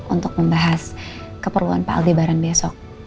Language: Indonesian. untuk membahas keperluan pak aldi barang besok